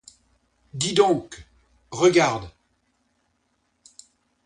Dis donc, regarde.